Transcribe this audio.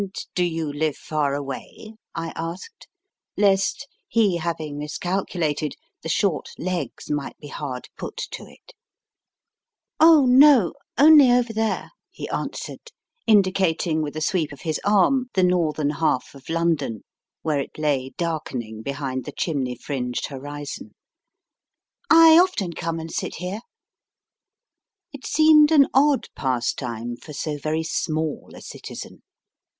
And do you live far away ? I asked, lest, he having miscalculated, the short legs might be hard put to it. 4 Oh no, only over there, he answered, indicating with a sweep of his arm the northern half of London where it lay darkening behind the chimney fringed horizon ; I often come and sit here. It seemed an odd pastime for so very small a citizen.